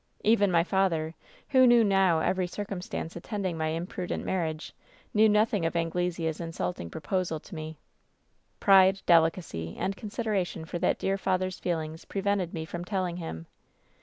"Even my father, who knew now every circumstance attending my imprudent marriage, knew nothing of Anglesea's insulting proposal to me. Pride, delicacy and consideration for that dear father's feelings pre vented me from telling him.